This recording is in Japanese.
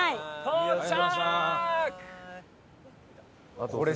到着！